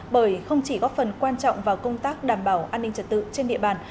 bởi không chỉ góp phần quan trọng vào công tác đảm bảo an ninh trật tự trên địa bàn